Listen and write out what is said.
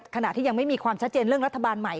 ขณะที่ยังไม่มีความชัดเจนเรื่องรัฐบาลใหม่